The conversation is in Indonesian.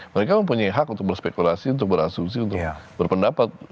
mereka mempunyai hak untuk berspekulasi untuk berasumsi untuk berpendapat